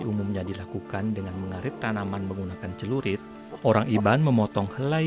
umumnya dilakukan dengan mengarit tanaman menggunakan celurit orang iban memotong helai